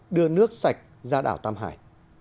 đưa nước sạch ra đảo tam hải